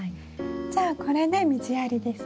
じゃあこれで水やりですか？